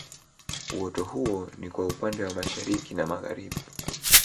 Uoto huo ni kwa upande wa Mashariki na Magharibi